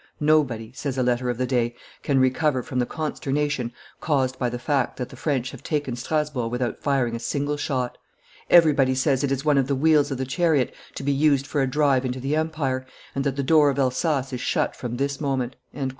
"Nobody," says a letter of the day, "can recover from the consternation caused by the fact that the French have taken Strasburg without firing a single shot; everybody says it is one of the wheels of the chariot to be used for a drive into the empire, and that the door of Elsass is shut from this moment."